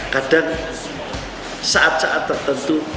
kadang saat saat tertentu